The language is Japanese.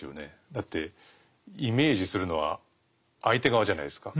だってイメージするのは相手側じゃないですか。